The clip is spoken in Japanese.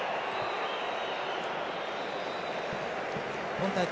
今大会